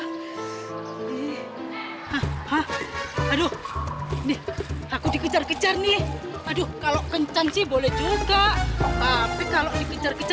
hahaha aduh nih aku dikejar kejar nih aduh kalau kencang sih boleh juga tapi kalau dikejar kejar